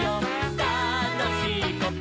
「たのしいこと？」